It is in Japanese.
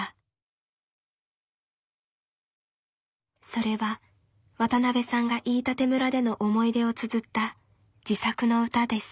それは渡辺さんが飯舘村での思い出をつづった自作の歌です。